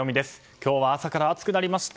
今日は朝から暑くなりました。